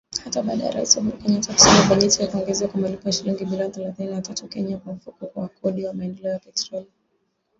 Hata baada ya Rais Uhuru Kenyatta kusaini bajeti ya nyongeza kwa malipo ya shilingi bilioni thelathini na tatu za Kenya kwa Mfuko wa Kodi ya Maendeleo ya Petroli